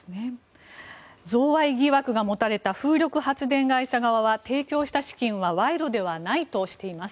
贈賄疑惑が持たれた風力発電会社側は提供した資金は賄賂ではないとしています。